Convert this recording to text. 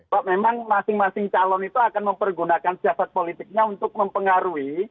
bahwa memang masing masing calon itu akan mempergunakan siasat politiknya untuk mempengaruhi